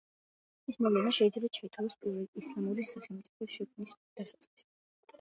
ეს მოვლენა შეიძლება ჩაითვალოს პირველი ისლამური სახელმწიფოს შექმნის დასაწყისად.